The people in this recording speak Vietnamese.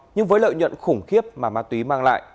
nhưng với lợi nhuận khủng khiếp mà ma túy mang lại